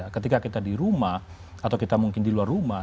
ketika kita di rumah atau kita mungkin di luar rumah